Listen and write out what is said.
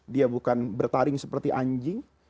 dia bukan bertaring seperti anjing